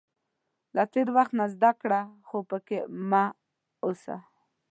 • له تېر وخت نه زده کړه، خو پکې مه اوسه.